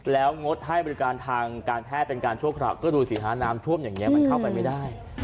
แล้วงดให้บริการทางการแพทย์เป็นการชั่วคราวก็ดูสิฮะน้ำท่วมอย่างนี้มันเข้าไปไม่ได้